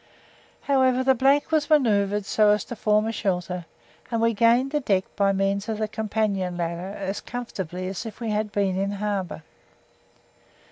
However, the was manoeuvred so as to form a shelter, and we gained the deck by means of the companion ladder as comfortably as if we had been in harbour.